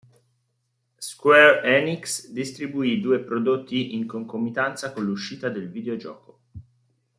Square Enix distribuì due prodotti in concomitanza con l'uscita del videogioco.